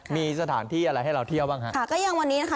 มีสถานที่อะไรให้เราเที่ยวบ้างฮะค่ะก็ยังวันนี้นะคะ